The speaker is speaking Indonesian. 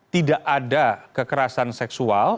tidak ada kekerasan seksual